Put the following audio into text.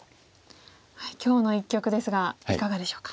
今日の一局ですがいかがでしょうか？